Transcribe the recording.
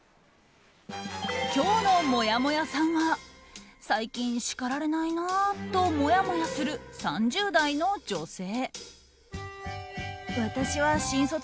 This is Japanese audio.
今日のもやもやさんは最近叱られないなあともやもやする３０代の女性。